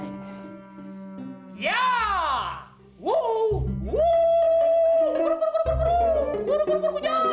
burung burung burung burung jangan